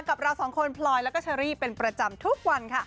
กับเราสองคนพลอยแล้วก็เชอรี่เป็นประจำทุกวันค่ะ